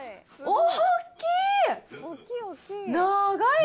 大きい。